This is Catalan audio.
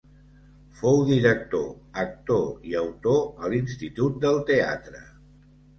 Fou director, actor i autor a l'Institut del Teatre.